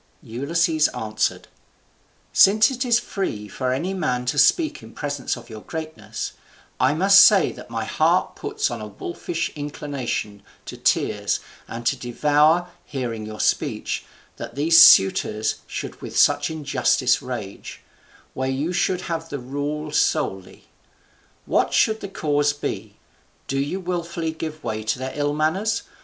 Ulysses answered: "Since it is free for any man to speak in presence of your greatness, I must say that my heart puts on a wolfish inclination to tear and to devour, hearing your speech, that these suitors should with such injustice rage, where you should have the rule solely. What should the cause be? do you wilfully give way to their ill manners?